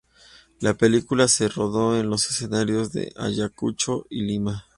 La película se rodó en los escenarios de Ayacucho y Lima.